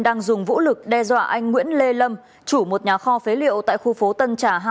đang dùng vũ lực đe dọa anh nguyễn lê lâm chủ một nhà kho phế liệu tại khu phố tân trả hai